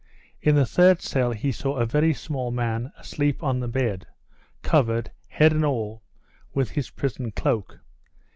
In the third cell he saw a very small man asleep on the bed, covered, head and all, with his prison cloak.